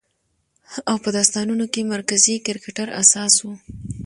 او په داستانونو کې مرکزي کرکټر اساس وي